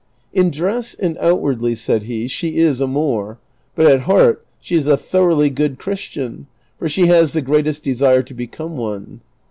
" In dress and outwardly," said he, " she is a Moor, but at heart she is a thoroughly good Christian, for she has the greatest desire to become one."